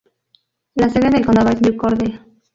La sede del condado es New Cordell.